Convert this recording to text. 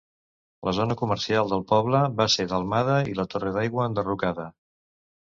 La zona comercial del poble va ser delmada i la torre d'aigua enderrocada.